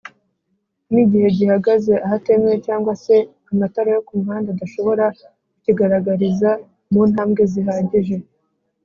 nigihe gihagaze ahatemewe cg se igihe amatara yo kumuhanda adashobora kukigaragariza muntambwezihagije